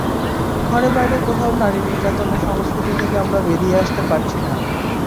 ঘরে–বাইরে কোথাও নারী নির্যাতনের সংস্কৃতি থেকে আমরা বেরিয়ে আসতে পারছি না।